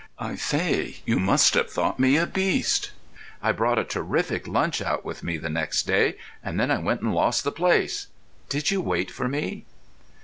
"I say, you must have thought me a beast. I brought a terrific lunch out with me the next day, and then I went and lost the place. Did you wait for me?"